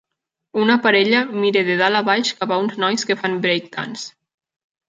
Una parella mira de dalt a baix cap a uns nois que fan break dance.